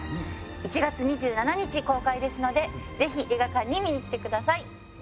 １月２７日公開ですのでぜひ皆さん、見に来てください。